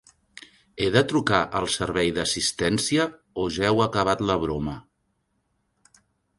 He de trucar al servei d"assistència o ja heu acabat la broma?